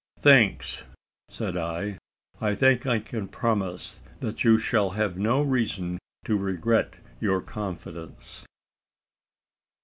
"Thanks!" said I. "I think I can promise that you shall have no reason to regret your confidence."